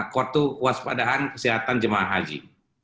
kartu waspadahan kesehatan jemaah haji